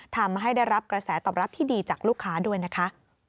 ทำให้ได้รับกระแสตอบรับที่ดีจากลูกค้าด้วยนะคะ